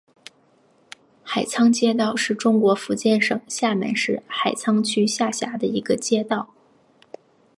海沧街道是中国福建省厦门市海沧区下辖的一个街道。